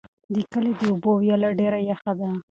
د کلي د اوبو ویاله ډېره یخه ده.